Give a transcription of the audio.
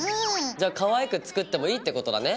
じゃあかわいく作ってもいいってことだね。